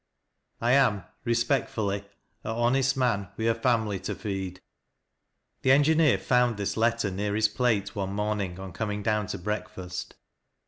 i am Eespekfolly A honest man wi a f amly tn feds The engineer found this letter near his plate one mom ing on coming down to breakfast.